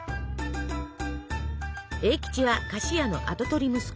栄吉は菓子屋の跡取り息子。